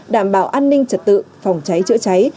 đảm bảo an ninh trật tự phòng cháy chữa cháy